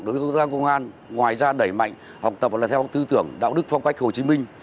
đối với công tác công an ngoài ra đẩy mạnh học tập và làm theo tư tưởng đạo đức phong cách hồ chí minh